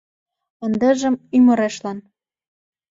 Ындыжым — ӱмырешлан.